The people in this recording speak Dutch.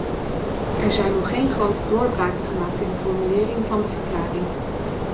Er zijn nog geen grote doorbraken gemaakt in de formulering van de verklaring.